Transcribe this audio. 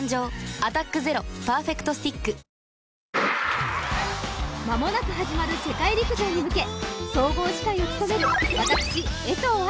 「アタックＺＥＲＯパーフェクトスティック」間もなく始まる世界陸上に向け、総合司会を務める私、江藤愛。